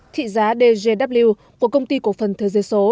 thị giá dgw của công ty cổ phần thế giới số